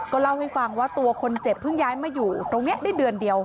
เล่าให้ฟังว่าตัวคนเจ็บเพิ่งย้ายมาอยู่ตรงนี้ได้เดือนเดียว